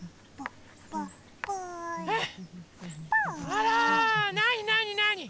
あらなになになに？